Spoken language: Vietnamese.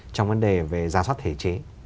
trong vấn đề về giá soát thể chế